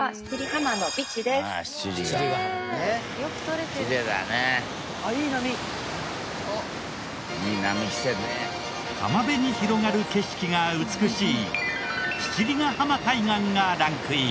浜辺に広がる景色が美しい七里ヶ浜海岸がランクイン。